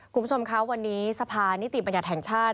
คุณผู้ชมคะวันนี้สภานิติบัญญัติแห่งชาติ